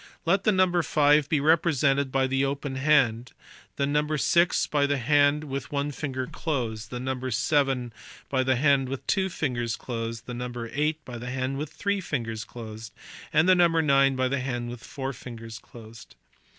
Let the number five be represented by the open hand the number six by the hand with one finger closed ; the number seven by the hand with two fingers closed ; the number eight by the hand with three fingers closed y and the number nine by the hand with four fingers closed.